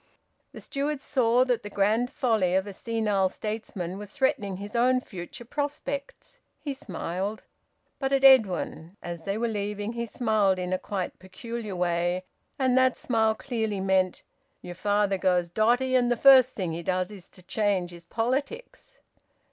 The steward saw that the grand folly of a senile statesman was threatening his own future prospects. He smiled. But at Edwin, as they were leaving, he smiled in a quite peculiar way, and that smile clearly meant: "Your father goes dotty, and the first thing he does is to change his politics."